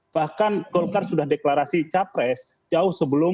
bahkan golkar sudah deklarasi capres jauh sebelum p tiga